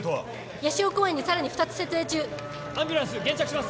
八潮公園にさらに２つ設営中アンビュランス現着します